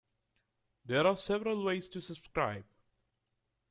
There are several ways to subscribe.